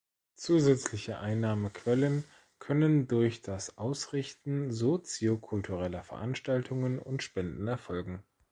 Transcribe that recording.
Zusätzliche Einnahmequellen können durch das Ausrichten soziokultureller Veranstaltungen und Spenden erfolgen.